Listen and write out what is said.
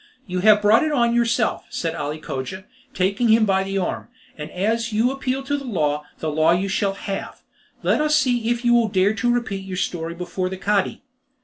"You have brought it on yourself," said Ali Cogia, taking him by the arm, "and as you appeal to the law, the law you shall have! Let us see if you will dare to repeat your story before the Cadi."